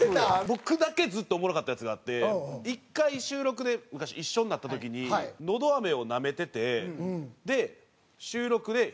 僕だけずっとおもろかったやつがあって１回収録で昔一緒になった時にのど飴をなめてて収録で。